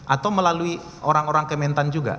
atau melalui orang orang kementan juga